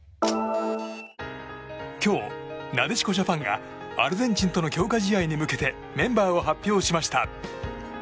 今日、なでしこジャパンがアルゼンチンとの強化試合に向けてメンバーを発表しました。